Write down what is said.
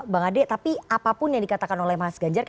bang ade tapi apapun yang dikatakan oleh mas ganjar